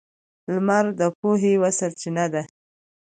• لمر د پوهې یوه سرچینه ده.